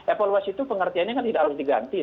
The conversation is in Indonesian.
evaluasi itu pengertiannya kan tidak harus diganti